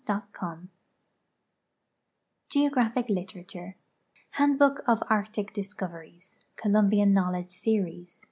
59 La Paz 4,737 GEOGRAPHIC LITERATURE Hanrlhook of Arctic Discoveries. Columl>ian Knowledge Series.